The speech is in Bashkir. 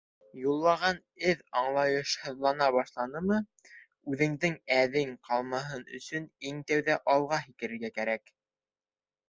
— Юллаған эҙ аңлайышһыҙлана башланымы, үҙеңдең әҙең ҡалмаһын өсөн иң тәүҙә алға һикерергә кәрәк.